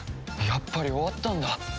やっぱり終わったんだ